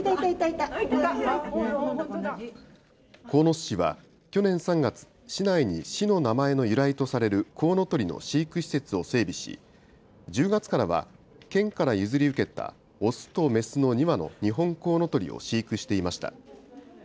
鴻巣市は去年３月、市内に市の名前の由来とされるコウノトリの飼育施設を整備し１０月からは県から譲り受けたオスとメスの２羽のニホンコウノトリを飼育していました。